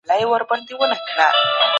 د ښوونځي په انګړ کي وني مه ماتوئ.